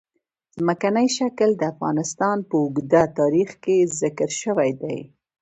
ځمکنی شکل د افغانستان په اوږده تاریخ کې ذکر شوی دی.